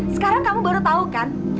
sekarang kamu baru tahu kan